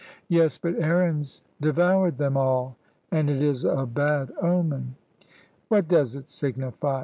"Yes, but Aaron's devoured them all, and it is a bad omen." "What does it signify?